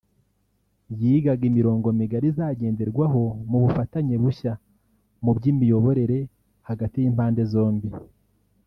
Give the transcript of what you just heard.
yigaga imirongo migari izagenderwaho mu bufatanye bushya mu by’imiyoborere hagati y’impande zombi